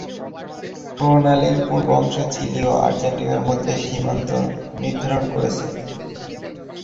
প্রণালীর পূর্ব অংশ চিলি ও আর্জেন্টিনার মধ্যে সীমান্ত নির্ধারণ করেছে।